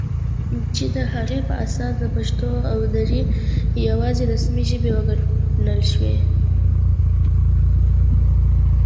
چې د هغه په اساس دې پښتو او دري یواځې رسمي ژبې وګڼل شي